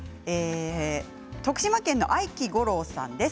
徳島県の方です。